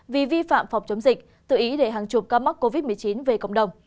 vì vi phạm phòng chống dịch tự ý để hàng chục ca mắc covid một mươi chín về cộng đồng